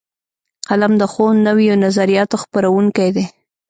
قلم د ښو نویو نظریاتو خپروونکی دی